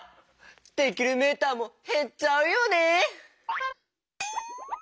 できるメーターもへっちゃうよね。